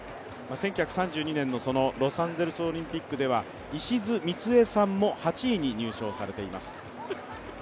１９３２年のロサンゼルスオリンピックではイシヅミツエさんも８位に入賞されています。